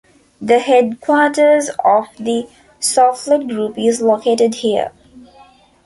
The headquarters of The Soufflet Group is located here.